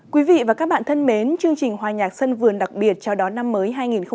quý vị và các bạn thân mến chương trình hòa nhạc sân vườn đặc biệt chào đón năm mới hai nghìn hai mươi